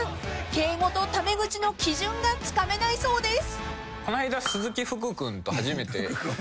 ［敬語とタメ口の基準がつかめないそうです］